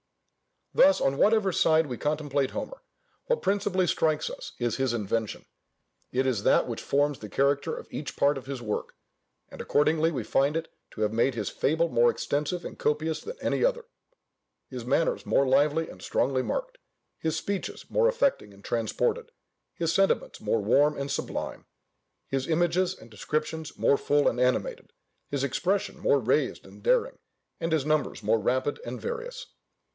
Thus on whatever side we contemplate Homer, what principally strikes us is his invention. It is that which forms the character of each part of his work; and accordingly we find it to have made his fable more extensive and copious than any other, his manners more lively and strongly marked, his speeches more affecting and transported, his sentiments more warm and sublime, his images and descriptions more full and animated, his expression more raised and daring, and his numbers more rapid and various.